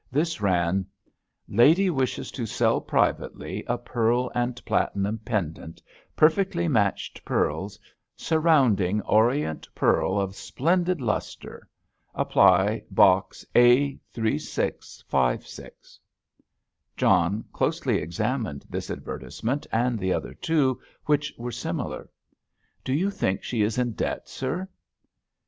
This ran: "Lady wishes to sell privately a pearl and platinum pendant, perfectly matched pearls, surrounding Orient pearl of splendid lustre.—Apply Box A3656." John closely examined this advertisement, and the other two, which were similar. "Do you think she is in debt, sir?"